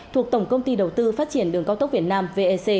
thuộc tổng công ty đầu tư phát triển đường cao tốc việt nam vec